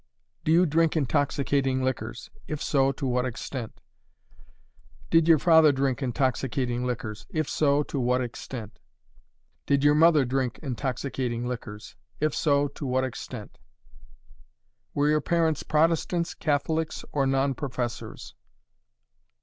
"Do you drink intoxicating liquors? If so, to what extent? "Did your father drink intoxicating liquors? If so, to what extent? "Did your mother drink intoxicating liquors? If so, to what extent? "Were your parents "Protestants," "Catholics," or "non professors?"